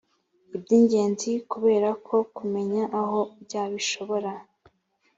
iby’ingenzi kubera ko kumenya aho ujya bishobora